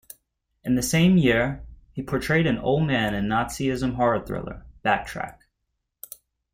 In the same year, he portrayed an old man in Nazism horror thriller "Backtrack".